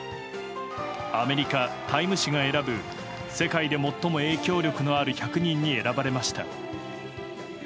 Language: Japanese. アメリカ「タイム」誌が選ぶ世界で最も影響力のある１００人に選ばれました。